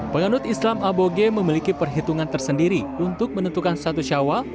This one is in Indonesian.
penganut islam aboge memiliki perhitungan tersendiri untuk menentukan satu syawal